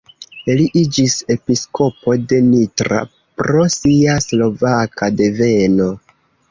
Li iĝis episkopo de Nitra pro sia slovaka deveno.